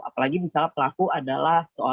apalagi misalnya pelaku adalah